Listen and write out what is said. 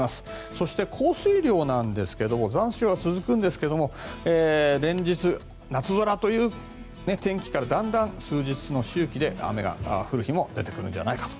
そして、降水量なんですが残暑が続くんですが連日、夏空という天気からだんだん数日の周期で雨が降る日も出てくるんじゃないかと。